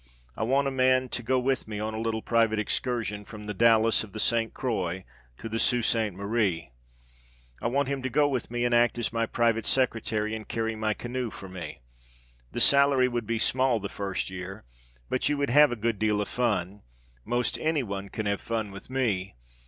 I want a man to go with me on a little private excursion from the Dallas of the St. Croix to the Sault Ste. Marie. I want him to go with me and act as my private secretary and carry my canoe for me. The salary would be small the first year, but you would have a good deal of fun. Most any one can have fun with me.